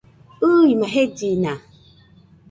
ɨɨma jellina